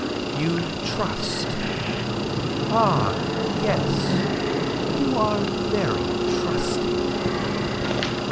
"You trust? Ah, yes. You are very trusting."